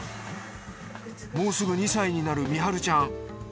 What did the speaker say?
もうすぐ２歳になる美陽ちゃん。